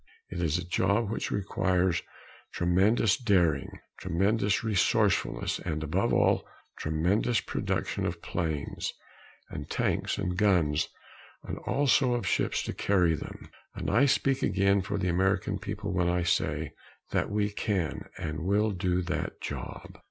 It is a job which requires tremendous daring, tremendous resourcefulness, and, above all, tremendous production of planes and tanks and guns and also of the ships to carry them. And I speak again for the American people when I say that we can and will do that job.